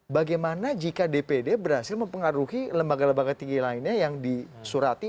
bagaimana jika dpd berhasil mempengaruhi lembaga lembaga tinggi lainnya yang disurati